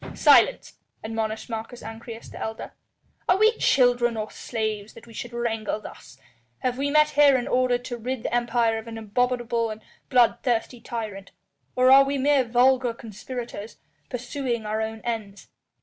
"Silence," admonished Marcus Ancyrus, the elder. "Are we children or slaves that we should wrangle thus? Have we met here in order to rid the Empire of an abominable and bloodthirsty tyrant, or are we mere vulgar conspirators pursuing our own ends?